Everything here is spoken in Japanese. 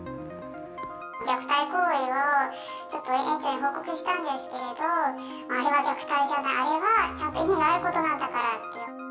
虐待行為をちょっと園長に報告したんですけれど、あれは虐待じゃない、あれはちゃんと意味のあることなんだからと。